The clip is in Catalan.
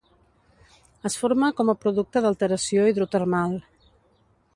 Es forma com a producte d'alteració hidrotermal.